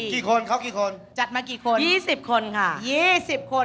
กี่คนเขากี่คนจัดมากี่คน๒๐คนค่ะยี่สิบคน